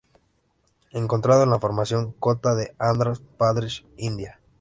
Encontrado en la Formación Kota de Andhra Pradesh, India.